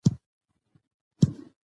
زه مړو ته دؤعا کوم.